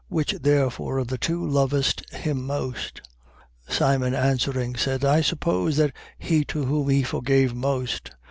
Which therefore of the two loveth him most? 7:43. Simon answering, said: I suppose that he to whom he forgave most.